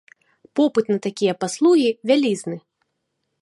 Попыт на такія паслугі вялізны.